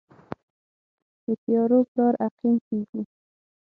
د تیارو پلار عقیم کیږي